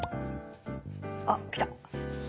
あっ来た！